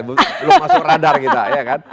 belum masuk radar kita ya kan